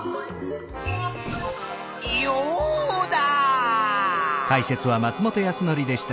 ヨウダ！